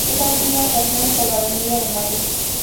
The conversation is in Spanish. Es la última estación sobre Avenida de Mayo.